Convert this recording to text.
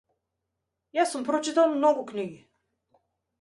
Јас сум прочитал многу книги.